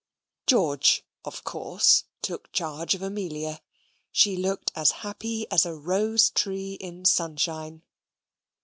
George, of course, took charge of Amelia. She looked as happy as a rose tree in sunshine.